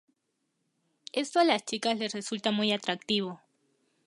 Esto a las chicas les resulta muy atractivo.